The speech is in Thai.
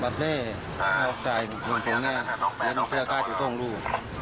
บัสเต้ยออกสายตรงนี้แล้วมันก็จะกล้าดอยู่ตรงรู